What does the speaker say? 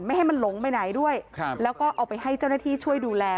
ให้มันหลงไปไหนด้วยแล้วก็เอาไปให้เจ้าหน้าที่ช่วยดูแล